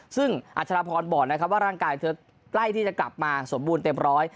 ซึ่งอัชรพรบอกนะครับว่าร่างกายเธอใกล้ที่จะกลับมาสมบูรณ์เต็มร้อย